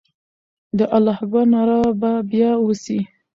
د الله اکبر ناره به بیا وسي.